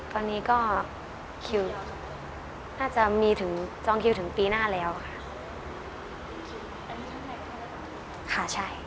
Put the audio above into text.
ตอนนี้ก็คิวน่าจะมีถึงจองคิวถึงปีหน้าแล้วค่ะใช่